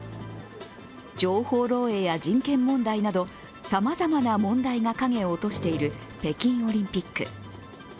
情報漏えいや人権問題などさまざまな問題が影を落としている北京オリンピック。